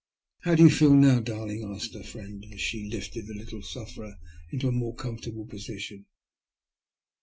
" How do you feel now, darling? " asked her friend, as she lifted the little sufferer into a more comfortable position.